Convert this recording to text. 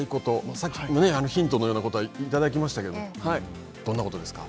さっきヒントのようなことはいただきましたけど、どんなことですか。